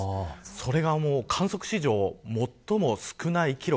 それが観測史上最も少ない記録